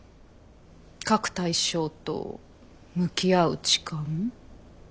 描く対象と向き合う時間？